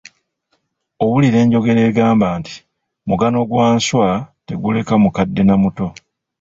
Owulira enjogera egamba nti, "Mugano gwa nswa teguleka mukadde na muto" .